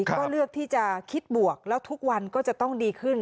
ก็เลือกที่จะคิดบวกแล้วทุกวันก็จะต้องดีขึ้น